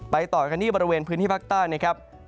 ไปต่อกันที่บริเวณพื้นที่ภาคใต้